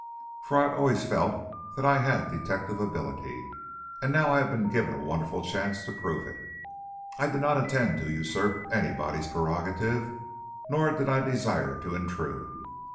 For, I had always felt that I had detective ability, and now I had been given a wonderful chance to prove it. I did not intend to usurp anybody's prerogative nor did I desire to intrude.